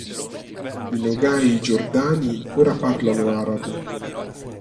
I nogai giordani ora parlano arabo.